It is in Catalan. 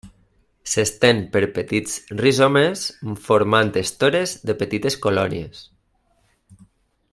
S'estén per petits rizomes, formant estores de petites colònies.